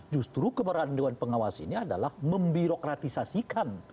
justru keberadaan dewan pengawas ini adalah membirokratisasikan